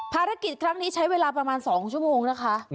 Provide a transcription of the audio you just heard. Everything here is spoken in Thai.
ภารกิจครั้งนี้ใช้เวลาประมาณ๒ชั่วโมงนะคะ